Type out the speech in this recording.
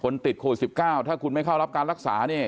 คนติดโควิดสิบเก้าถ้าคุณไม่เข้ารับการรักษานี่